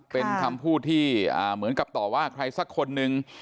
เป็นคำพูดที่เหมือนกับต่อว่าใครสักคนนึง